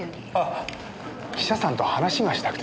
あ記者さんと話がしたくてさ。